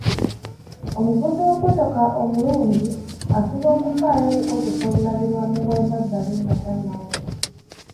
Omuvuzi w'emmotoka omulungi afuba okufaayo okukozesa obulabirwamu bw'emabbali nga tannaweta.